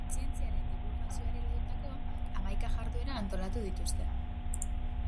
Zientziaren dibulgazioari lotutako hamaika jarduera antolatu dituzte.